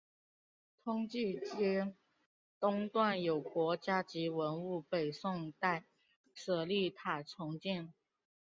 通济街东段有国家级文物北宋代舍利塔重建。